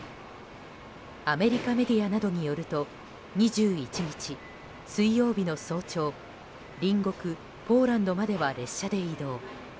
アメリカメディアなどによると２１日、水曜日の早朝隣国ポーランドまでは列車で移動。